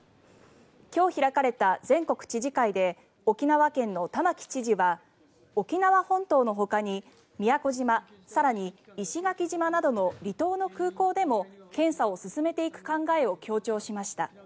今日開かれた全国知事会で沖縄県の玉城知事は沖縄本島のほかに宮古島更に、石垣島などの離島の空港でも検査を進めていく考えを強調しました。